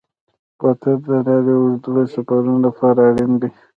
بوتل د لارې د اوږدو سفرونو لپاره اړین دی.